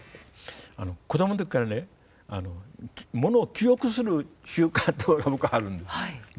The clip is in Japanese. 子どものときからねものを記憶する習慣というのが僕あるんです。